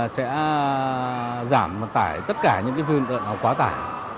sẽ giảm tải tất cả những vươn quả tải